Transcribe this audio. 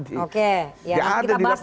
gak ada di lapangan